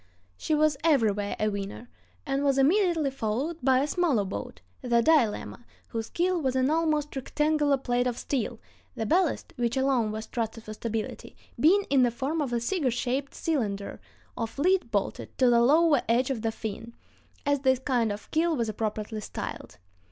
She was everywhere a winner, and was immediately followed by a smaller boat, the Dilemma, whose keel was an almost rectangular plate of steel, the ballast, which alone was trusted for stability, being in the form of a cigar shaped cylinder of lead bolted to the lower edge of the "fin," as this kind of keel was appropriately styled.